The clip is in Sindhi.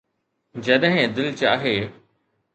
جڏهن دل چاهي